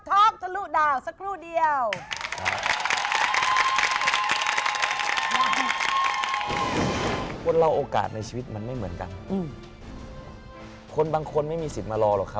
ขอผ่านดวงนิดหนึ่งได้ไหมคะ